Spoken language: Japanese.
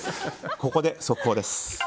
ここで速報です。